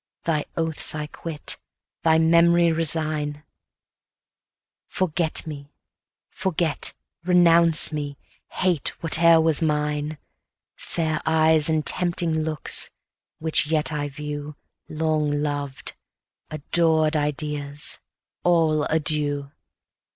Thy oaths I quit, thy memory resign; Forget, renounce me, hate whate'er was mine. Fair eyes, and tempting looks (which yet I view) Long loved, adored ideas, all adieu!